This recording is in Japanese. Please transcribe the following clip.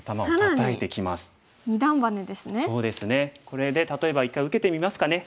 これで例えば一回受けてみますかね。